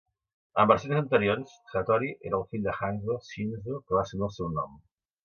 En versions anteriors, Hattori era el fill de Hanzo, Shinzo, que va assumir el seu nom.